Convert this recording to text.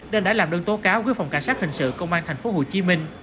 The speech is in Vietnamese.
nên đã làm đơn tố cáo với phòng cảnh sát hình sự công an tp hcm